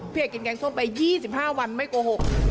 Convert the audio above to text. พี่อยากกินแกงส้มไป๒๕วันไม่โกหก